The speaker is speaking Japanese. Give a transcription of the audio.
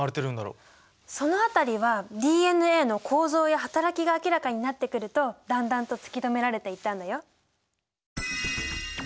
その辺りはＤＮＡの構造や働きが明らかになってくるとだんだんと突き止められていったのよ。